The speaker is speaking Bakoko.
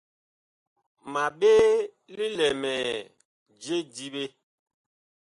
Ma ɓee lilɛmɛɛ je diɓe.